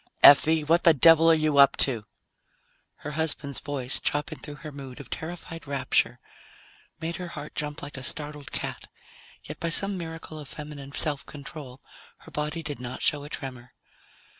_ "Effie! What the devil are you up to?" Her husband's voice, chopping through her mood of terrified rapture, made her heart jump like a startled cat, yet by some miracle of feminine self control her body did not show a tremor.